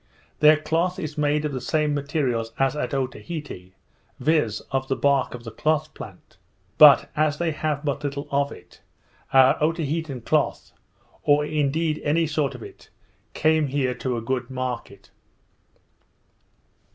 Their cloth is made of the same materials as at Otaheite, viz. of the bark of the cloth plant; but, as they have but little of it, our Otaheitean cloth, or indeed any sort of it, came here to a good market.